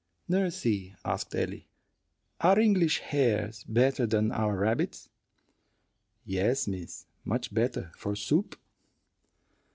"Nursey," asked Ellie, "are English hares better than our rabbits?" "Yes, miss, much better for soup."